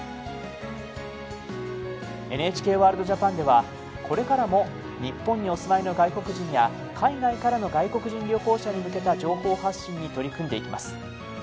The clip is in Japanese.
ＮＨＫワールドＪＡＰＡＮではこれからも日本にお住まいの外国人や海外からの外国人旅行者に向けた情報発信に取り組んでいきます。